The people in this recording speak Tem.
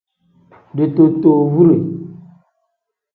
Ditootowure.